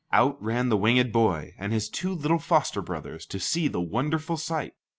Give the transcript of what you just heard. Out ran the winged boy and his two little foster brothers, to see the wonderful sight.